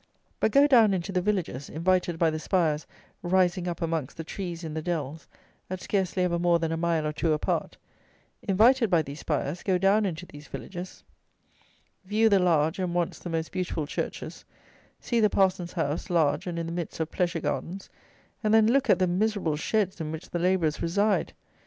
But go down into the villages; invited by the spires, rising up amongst the trees in the dells, at scarcely ever more than a mile or two apart; invited by these spires, go down into these villages, view the large, and once the most beautiful, churches; see the parson's house, large, and in the midst of pleasure gardens; and then look at the miserable sheds in which the labourers reside!